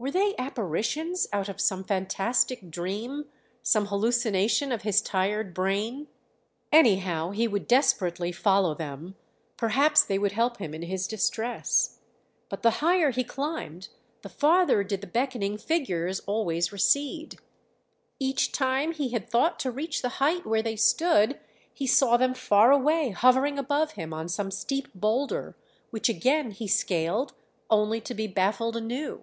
Were they apparitions out of some fantastic dream, some hallucination of his tired brain? Anyhow he would desperately follow them, perhaps they would help him in his distress; but the higher he climbed the farther did the beckoning figures always recede; each time he had thought to reach the height where they stood he saw them far away hovering above him on some steep boulder, which again he scaled only to be baffled anew.